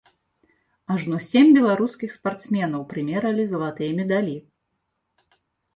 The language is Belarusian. Ажно сем беларускіх спартсменаў прымералі залатыя медалі.